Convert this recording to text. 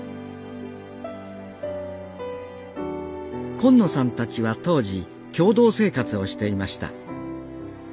今野さんたちは当時共同生活をしていました。